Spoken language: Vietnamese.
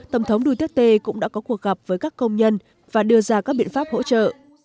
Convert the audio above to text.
tổng thống duterte cũng đã có cuộc gặp với các công nhân và đưa ra các biện pháp hỗ trợ